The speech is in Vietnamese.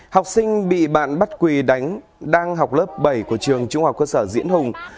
học sinh bị bạn bắt quỳ đánh đang học lớp bảy của trường trung học cơ sở diễn hùng